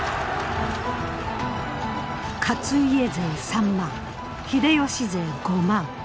勝家勢３万秀吉勢５万。